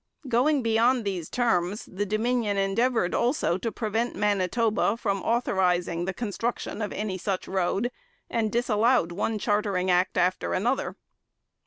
Going beyond these terms, the Dominion endeavoured also to prevent Manitoba from authorizing the construction of any such road, and disallowed one chartering act after another.